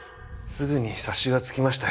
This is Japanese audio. すぐに察しがつきましたよ。